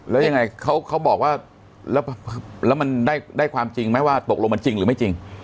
แล้วยังไงเขาบอกว่าแล้วมันได้ความจริงไหมว่าตกลงมันจริงหรือไม่จริง